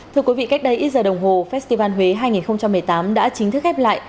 thưa quý vị cách đây ít giờ đồng hồ festival huế hai nghìn một mươi tám đã chính thức khép lại